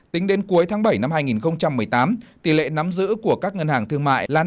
tính đến cuối tháng bảy năm hai nghìn một mươi tám tỷ lệ nắm giữ của các ngân hàng thương mại là năm mươi một một